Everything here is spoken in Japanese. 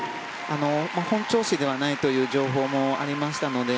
本調子ではないという情報もありましたので。